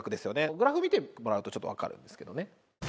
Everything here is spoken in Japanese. グラフ見てもらうとちょっと分かるんですけどね